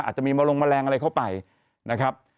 อาจจะมีมาลงแมลงอะไรเข้าไปนะครับ